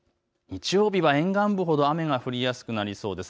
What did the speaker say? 日曜日は沿岸部ほど雨が降りやすくなりそうです。